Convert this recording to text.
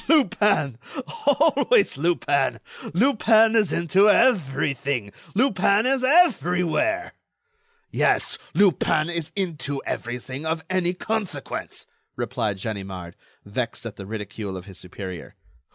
"Lupin! always Lupin! Lupin is into everything; Lupin is everywhere!" "Yes, Lupin is into everything of any consequence," replied Ganimard, vexed at the ridicule of his superior.